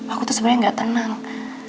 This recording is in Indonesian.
aku tuh sebenarnya gak tenang